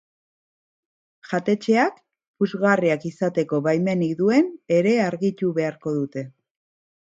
Jatetxeak puzgarriak izateko baimenik duen ere argitu beharko dute.